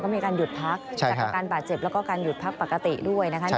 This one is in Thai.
มีการหยุดพักจากอาการบาดเจ็บแล้วก็การหยุดพักปกติด้วยนะคะ